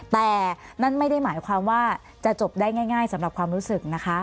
แต่นั่นไม่ได้หมายความว่าจะจบได้ง่ายสำหรับความรู้สึกนะคะ